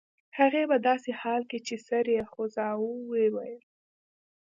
هغې په داسې حال کې چې سر یې خوځاوه وویل